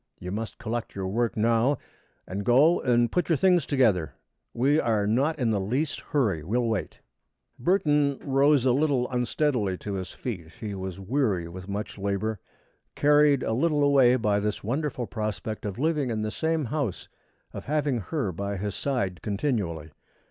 You must collect your work now and go and put your things together. We are not in the least hurry. We will wait." Burton rose a little unsteadily to his feet. He was weary with much labor, carried a little away by this wonderful prospect of living in the same house, of having her by his side continually.